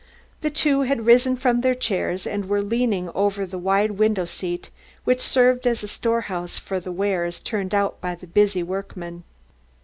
The two had risen from their chairs and were leaning over the wide window seat which served as a store house for the wares turned out by the busy workman.